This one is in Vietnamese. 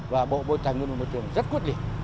và bộ trải nghiệm môi trường rất quyết định